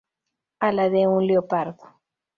A la de un leopardo".